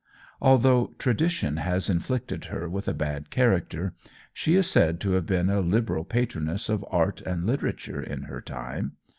Although tradition has inflicted her with a bad character, she is said to have been a liberal patroness of art and literature in her time.